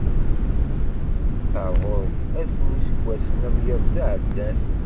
Ar ɣur-k, alef n yiseggwasen am yiḍelli iɛeddan.